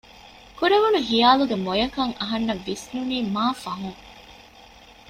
ކުރެވުނު ހިޔާލުގެ މޮޔަކަން އަހަންނަށް ވިސްނުނީ މާ ފަހުން